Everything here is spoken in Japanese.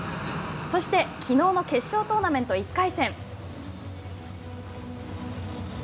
そして、きのうの決勝トーナメント１回戦。